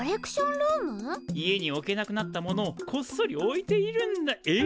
家に置けなくなったものをコッソリ置いているんだえっ？